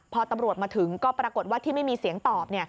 พอตำรวจมาถึงก็ปรากฏว่าที่ไม่มีเสียงตอบ